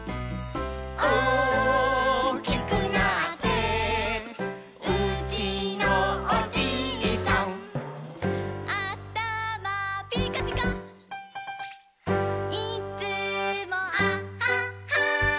「おおきくなってうちのおじいさん」「あたまぴっかぴか」「いつも」「あっはっは」